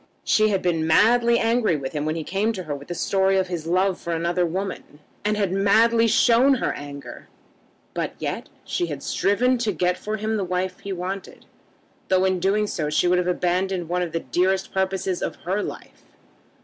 She had been madly angry with him when he came to her with the story of his love for another woman, and had madly shown her anger; but yet she had striven to get for him the wife he wanted, though in doing so she would have abandoned one of the dearest purposes of her life.